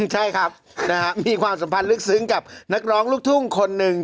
ใช่ครับมีความสัมพันธ์ลึกซึ้งกับนักร้องลูกทุ่งคนหนึ่ง